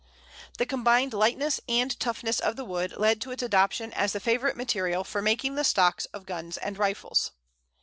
The combined lightness and toughness of the wood led to its adoption as the favourite material for making the stocks of guns and rifles.